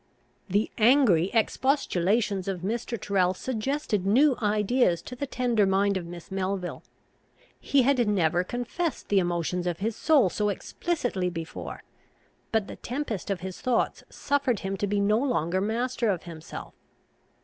The angry expostulations of Mr. Tyrrel suggested new ideas to the tender mind of Miss Melville. He had never confessed the emotions of his soul so explicitly before; but the tempest of his thoughts suffered him to be no longer master of himself.